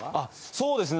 そうですね